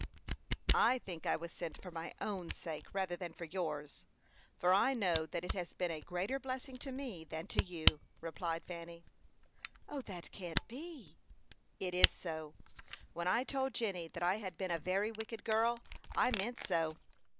"I think I was sent for my own sake, rather than for yours, for I know that it has been a greater blessing to me than to you," replied Fanny. "That can't be." "It is so. When I told Jenny that I had been a very wicked girl, I meant so."